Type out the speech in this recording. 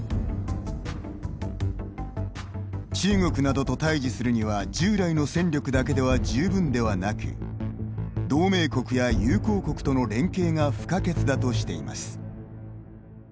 中国などと対じするには従来の戦力だけでは十分ではなく同盟国や友好国との連携が不可欠だとしています。